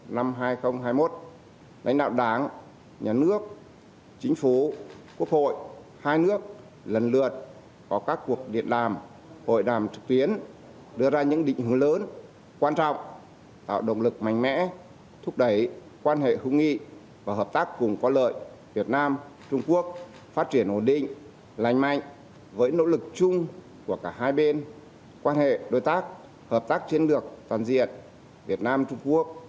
năm hai nghìn hai mươi một lãnh đạo đảng nhà nước chính phủ quốc hội hai nước lần lượt có các cuộc điện đàm hội đàm trực tuyến đưa ra những định hướng lớn quan trọng tạo động lực mạnh mẽ thúc đẩy quan hệ hùng nghi và hợp tác cùng có lợi việt nam trung quốc phát triển ổn định lành mạnh với nỗ lực chung của cả hai bên quan hệ đối tác hợp tác chiến lược toàn diện việt nam trung quốc